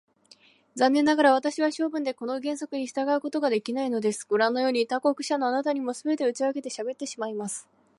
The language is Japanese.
残念ながら、私は性分でこの原則に従うことができないのです。ごらんのように、他国者のあなたにも、すべて打ち明けてしゃべってしまいます。